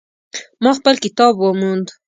ما خپل کتاب وموند